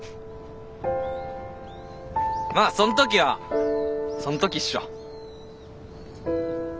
まあそん時はそん時っしょ。